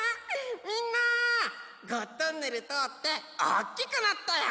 みんなゴットンネルとおっておっきくなったよ。